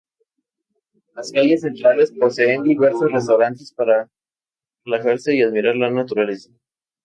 Las calles centrales poseen diversos restaurantes para relajarse y admirar la naturaleza.